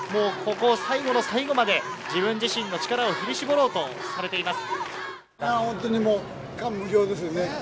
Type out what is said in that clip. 最後の最後まで自分自身の力を振り絞ろうとされています。